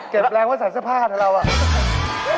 เจ็บแรงว่าใส่เสื้อผ้าเท่าเรามั้ย